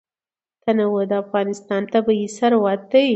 تنوع د افغانستان طبعي ثروت دی.